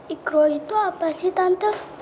ikro itu apa sih tante